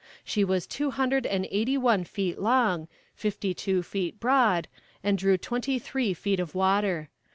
She was two hundred and eighty one feet long, fifty two feet broad, and drew twenty three feet of water.